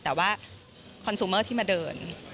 แต่ว่าคอนซูเมอร์ที่มาเดิน